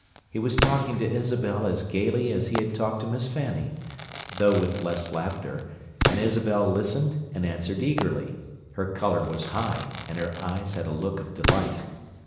He was talking to Isabel as gaily as he had talked to Miss Fanny, though with less laughter, and Isabel listened and answered eagerly: her colour was high and her eyes had a look of delight.